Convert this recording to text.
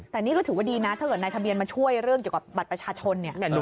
แต่นี่ก็ถือว่าดีนะถ้าเกิดนายทะเบียนมาช่วยเรื่องเกี่ยวกับบัตรประชาชนเนี่ย